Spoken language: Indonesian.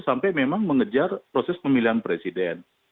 sampai memang mengejar proses pemilihan presiden